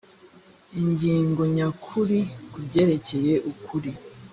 ingingo nyakuri ku byerekeye ukuri